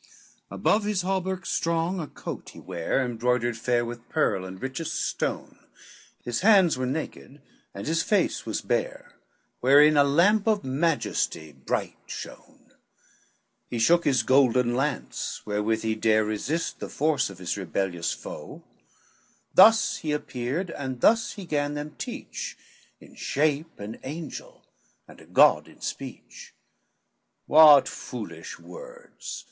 LXXVIII Above his hauberk strong a coat he ware, Embroidered fair with pearl and richest stone, His hands were naked, and his face was bare, Wherein a lamp of majesty bright shone; He shook his golden mace, wherewith he dare Resist the force of his rebellious foe: Thus he appeared, and thus he gan them teach, In shape an angel, and a God in speech: LXXIX "What foolish words?